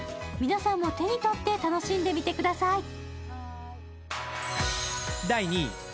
皆さんも手に取って楽しんでみてください。